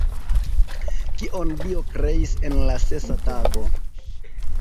Kion Dio kreis en la sesa tago?